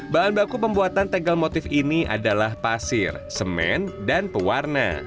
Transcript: bahan baku pembuatan tegel motif ini adalah pasir semen dan pewarna